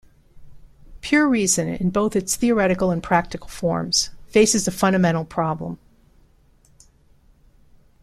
Pure reason, in both its theoretical and practical forms, faces a fundamental problem.